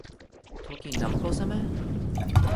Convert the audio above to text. toki namako seme?